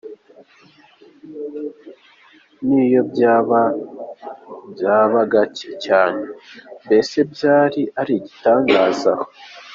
Niyo byaba, byaba gake cyane, mbese byaba ari igitangaza.